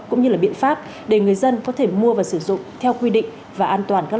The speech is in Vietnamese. cũng như là biện pháp để người dân có thể mua và sử dụng theo quy định và an toàn